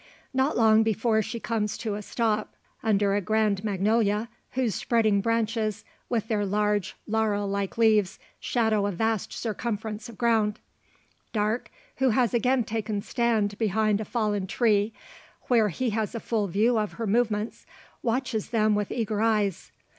Not long before she comes to a stop; under a grand magnolia, whose spreading branches, with their large laurel like leaves, shadow a vast circumference of ground. Darke, who has again taken stand behind a fallen tree, where he has a full view of her movements, watches them with eager eyes.